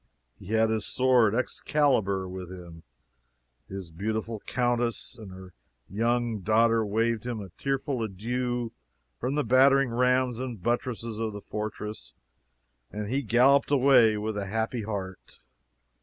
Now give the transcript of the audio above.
He had his sword, Excalibur, with him. His beautiful countess and her young daughter waved him a tearful adieu from the battering rams and buttresses of the fortress, and he galloped away with a happy heart.